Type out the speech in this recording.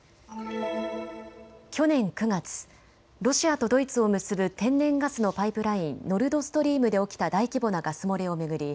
去年９月、ロシアとドイツを結ぶ天然ガスのパイプライン、ノルドストリームで起きた大規模なガス漏れを巡り